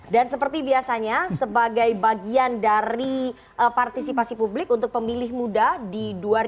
dan seperti biasanya sebagai bagian dari partisipasi publik untuk pemilih muda di dua ribu dua puluh empat